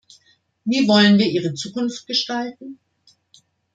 Wie wollen wir ihre Zukunft gestalten?